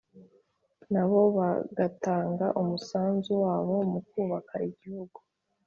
na bo bagatang umusanzu wabo mu kubaka igihugu.